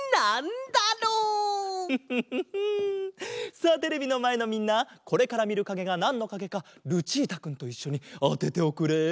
さあテレビのまえのみんなこれからみるかげがなんのかげかルチータくんといっしょにあてておくれ。